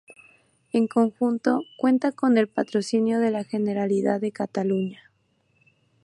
El conjunto cuenta con el patrocinio de la Generalidad de Cataluña.